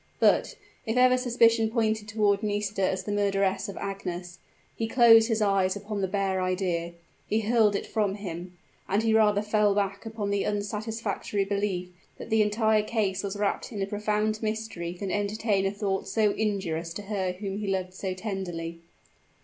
But, if ever suspicion pointed toward Nisida as the murderess of Agnes, he closed his eyes upon the bare idea he hurled it from him; and he rather fell back upon the unsatisfactory belief that the entire case was wrapped in a profound mystery than entertain a thought so injurious to her whom he loved so tenderly.